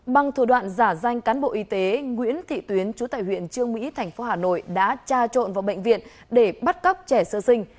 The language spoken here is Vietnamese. bằng thủ đoạn giả danh cán bộ y tế nguyễn thị tuyến chú tại huyện trương mỹ thành phố hà nội đã tra trộn vào bệnh viện để bắt cóc trẻ sơ sinh